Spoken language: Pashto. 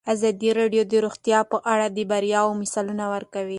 ازادي راډیو د روغتیا په اړه د بریاوو مثالونه ورکړي.